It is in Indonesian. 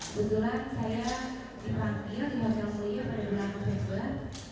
kebetulan saya dipanggil di hotel new york pada bulan februar